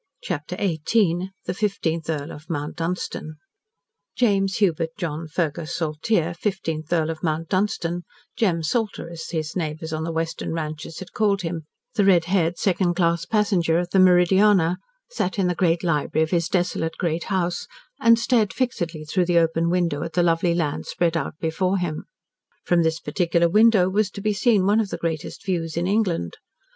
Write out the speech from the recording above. CHAPTER XVIII THE FIFTEENTH EARL OF MOUNT DUNSTAN James Hubert John Fergus Saltyre fifteenth Earl of Mount Dunstan, "Jem Salter," as his neighbours on the Western ranches had called him, the red haired, second class passenger of the Meridiana, sat in the great library of his desolate great house, and stared fixedly through the open window at the lovely land spread out before him. From this particular window was to be seen one of the greatest views in England.